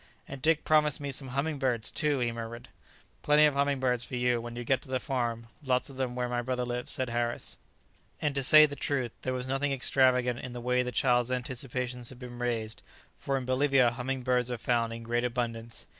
"And Dick promised me some humming birds too!" he murmured. "Plenty of humming birds for you, when you get to the farm; lots of them where my brother lives," said Harris. And to say the truth, there was nothing extravagant in the way the child's anticipations had been raised, for in Bolivia humming birds are found in great abundance.